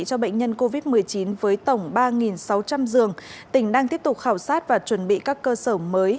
cho bệnh nhân covid một mươi chín với tổng ba sáu trăm linh giường tỉnh đang tiếp tục khảo sát và chuẩn bị các cơ sở mới